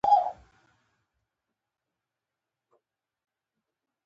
زه د ساده ډیزاین خوښوم.